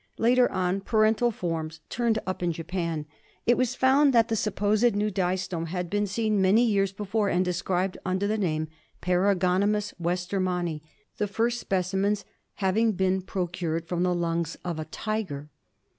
Later on, parental forms turning up in Japan, it was found that the supposed .new distome had been seen many years before and described under the name Paragonimus westermanni, the first specimens having been pro cured from the lungs of a tiger.